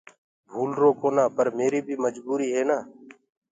ڀوُلروَ ڪونآ پر ميريٚ بيٚ مجبوريٚ هي نآ